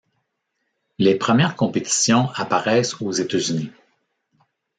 Les premières compétitions apparaissent aux États-Unis.